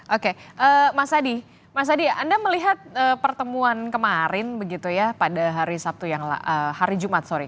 oke mas hadi anda melihat pertemuan kemarin begitu ya pada hari sabtu yang hari jumat sorry